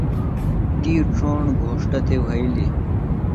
تی ڇھوݨ گھوݜٹہ تھےۡ وھیلیۡ۔